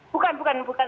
bukan bukan bukan